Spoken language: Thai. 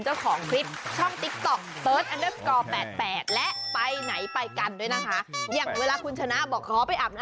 ใช่ไหมเค้าใครเค้าจะอาบกัน